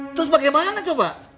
terus bagaimana coba